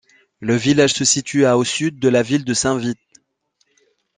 Le village se situe à au sud de la ville de Saint-Vith.